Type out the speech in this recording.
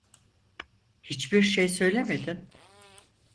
Hiçbir şey söylemedin.